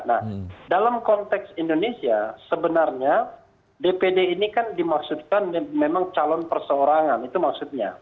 nah dalam konteks indonesia sebenarnya dpd ini kan dimaksudkan memang calon perseorangan itu maksudnya